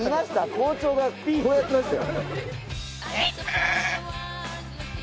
校長がこうやってましたよ。